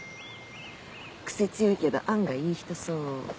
癖強いけど案外いい人そう。